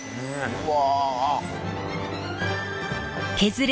うわ！